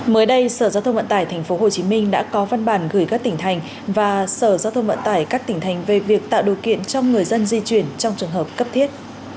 mới đây sở giao thông vận tải tp hcm đã có văn bản gửi các tỉnh thành và sở giao thông vận tải các tỉnh thành về việc tạo điều kiện cho người dân di chuyển trong trường hợp cấp thiết